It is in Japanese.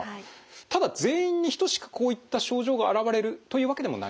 ただ全員に等しくこういった症状が現れるというわけでもない？